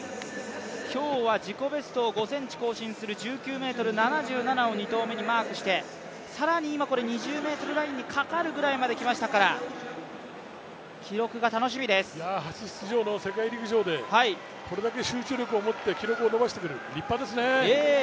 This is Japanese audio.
今日は自己ベストを２ｃｍ更新する１９ｍ７７を２投目にマークして更に今、２０ｍラインにかかるぐらいまで来ましたから初出場の世界陸上でこれだけ集中力を持って記録を伸ばしてくる、立派ですね。